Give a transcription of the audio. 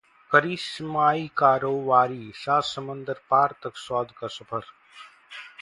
करिश्माई कारोबारी: सात समंदर पार तक स्वाद का सफर